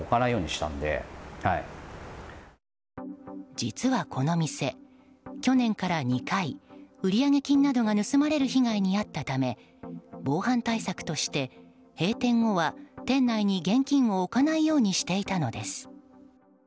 実はこの店、去年から２回売上金などが盗まれる被害に遭ったため防犯対策として閉店後は店内に現金を置かないようにしていたのです。